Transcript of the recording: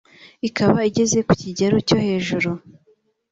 ikaba igeze ku kigero cyo hejuru